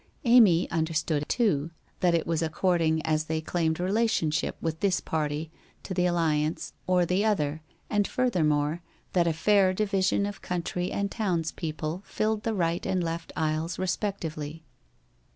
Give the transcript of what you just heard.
Amy understood, too, that it was according as they claimed relationship with this party to the alliance or the other, and furthermore, that a fair division of country and town's people filled the right and left aisles respectively.